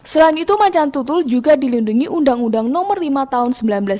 selain itu macan tutul juga dilindungi undang undang nomor lima tahun seribu sembilan ratus sembilan puluh